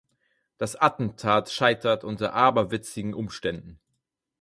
Das Attentat scheitert unter aberwitzigen Umständen.